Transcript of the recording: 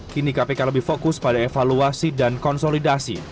kini kpk lebih fokus pada evaluasi dan konsolidasi